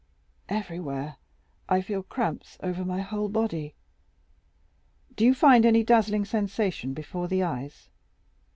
"Everywhere. I feel cramps over my whole body." "Do you find any dazzling sensation before the eyes?"